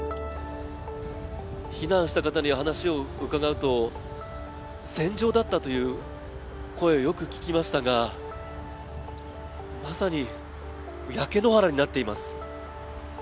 避難した方に話を伺うと、戦場だったという声をよく聞きましたが、まさに焼け野原になっています。